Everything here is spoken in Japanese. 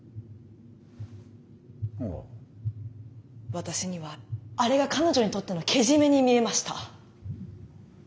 私にはあれが彼女にとってのけじめに見えました。